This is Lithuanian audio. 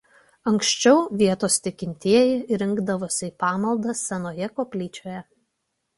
Anksčiau vietos tikintieji rinkdavosi į pamaldas senojoje koplyčioje.